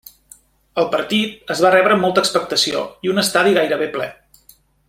El partit es va rebre amb molta expectació i un estadi gairebé ple.